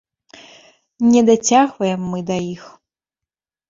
Не дацягваем мы да іх.